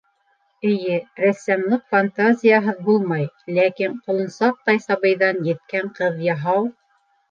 Эйе, рәссамлыҡ фантазияһыҙ булмай, ләкин, ҡолонсаҡтай сабыйҙан еткән ҡыҙ яһау...